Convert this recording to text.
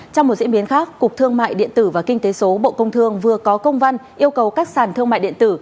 trong một diễn biến khác cục thương mại điện tử và kinh tế số bộ công thương vừa có công văn yêu cầu các sản thương mại điện tử